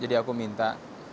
jadi aku minta